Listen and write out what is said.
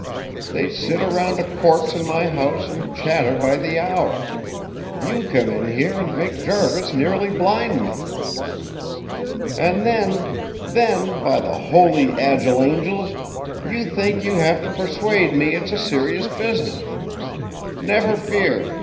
They sit around a corpse in my house and chatter by the hour. You come in here and make Jarvis nearly blind me. "And, then, then, by the holy, agile angels! you think you have to persuade me it's a serious business! Never fear!